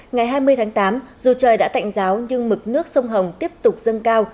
ngày hai mươi tháng tám dù trời đã tạnh giáo nhưng mực nước sông hồng tiếp tục dâng cao